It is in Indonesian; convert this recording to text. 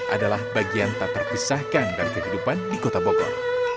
adalah bagian tak terpisahkan dari kehidupan di kota bogor